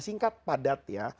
singkat padat ya